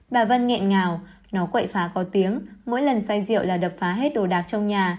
bà vân nghẹn ngào nó quậy phá có tiếng mỗi lần say rượu là đập phá hết đồ đạc trong nhà